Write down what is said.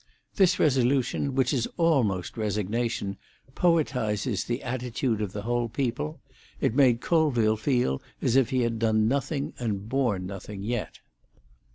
This resolution, which is almost resignation, poetises the attitude of the whole people; it made Colville feel as if he had done nothing and borne nothing yet.